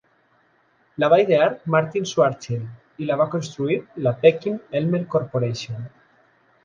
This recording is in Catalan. La va idear Martin Schwarzschild i la va construir la Perkin Elmer Corporation.